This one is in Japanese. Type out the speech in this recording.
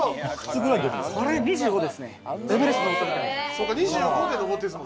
これ２５ですね。